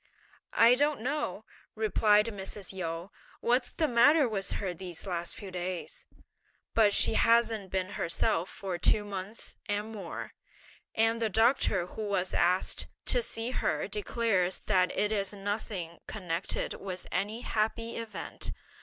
"I don't know," replied Mrs. Yu, "what's the matter with her these last few days; but she hasn't been herself for two months and more; and the doctor who was asked to see her declares that it is nothing connected with any happy event.